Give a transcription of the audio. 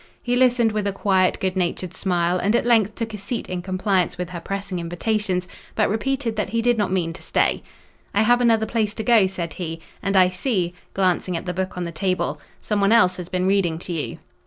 He listened with a quiet, good natured smile, and at length took a seat in compliance with her pressing invitations, but repeated that he did not mean to stay. "I have another place to go to," said he, "and I see" (glancing at the book on the table) "someone else has been reading to you."